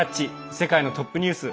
世界のトップニュース」。